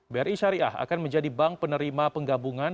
bri syariah akan menjadi bank penerima penggabungan